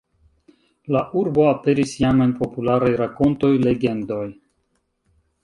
La urbo aperis jam en popularaj rakontoj, legendoj.